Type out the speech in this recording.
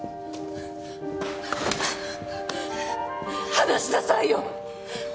離しなさいよ。